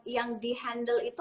yang di handle itu